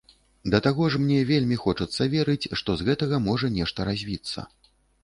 Да таго ж, мне вельмі хочацца верыць, што з гэтага можа нешта развіцца.